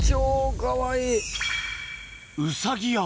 かわいい。